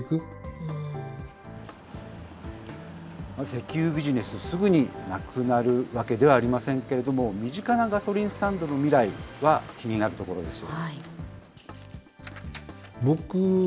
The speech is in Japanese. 石油ビジネス、すぐになくなるわけではありませんけれども、身近なガソリンスタンドの未来は気になるところです。